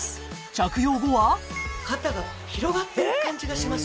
着用後は肩が広がってる感じがします